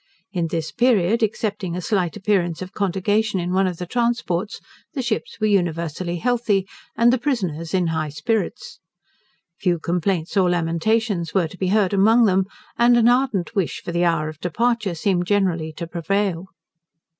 In this period, excepting a slight appearance of contagion in one of the transports, the ships were universally healthy, and the prisoners in high spirits. Few complaints or lamentations were to be heard among them, and an ardent wish for the hour of departure seemed generally to prevail.